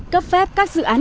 cấp phép các dự án địa chỉ